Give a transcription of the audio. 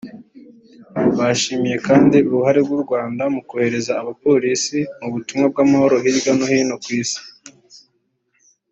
Bashimye kandi uruhare rw’u Rwanda mu kohereza abapolisi mu butumwa bw’amahoro hirya no hino ku Isi